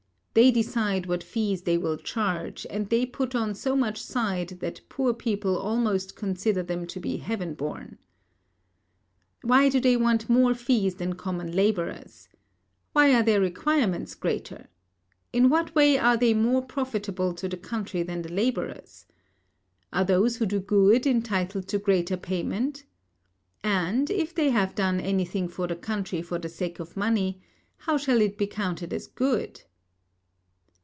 They decide what fees they will charge, and they put on so much side that poor people almost consider them to be heaven born. Why do they want more fees than common labourers? Why are their requirements greater? In what way are they more profitable to the country than the labourers? Are those who do good entitled to greater payment? And, if they have done anything for the country for the sake of money, how shall it be counted as good?